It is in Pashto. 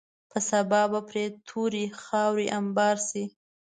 په سبا به پرې تورې خاورې انبار شي.